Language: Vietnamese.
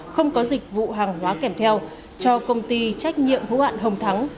không có dịch vụ hàng hóa kèm theo cho công ty trách nhiệm hữu hạn hồng thắng